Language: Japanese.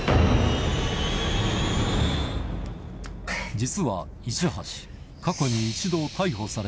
実は市橋